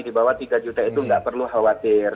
di bawah tiga juta itu tidak perlu khawatir